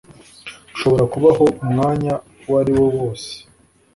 ushobora kubaho umwanya uwariwo wose